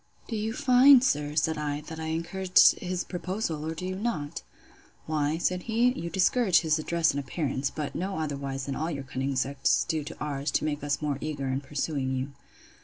Do you find, sir, said I, that I encouraged his proposal, or do you not? Why, said he, you discourage his address in appearance; but no otherwise than all your cunning sex do to ours, to make us more eager in pursuing you.